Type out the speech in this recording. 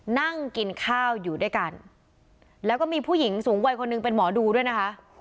นั่งกินข้าวอยู่ด้วยกันแล้วก็มีผู้หญิงสูงวัยคนหนึ่งเป็นหมอดูด้วยนะคะ